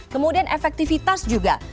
kemudian efektivitas juga